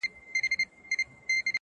o کډي مي بارېږي، زوىمي را ملا که٫